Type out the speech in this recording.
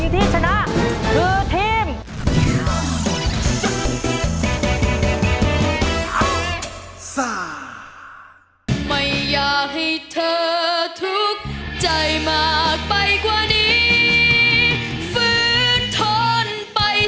ทีมไหนจะคว้าคะแนนจากคณะกรรมการไปได้